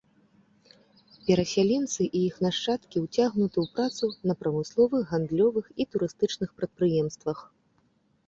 Перасяленцы і іх нашчадкі ўцягнуты ў працу на прамысловых, гандлёвых і турыстычных прадпрыемствах.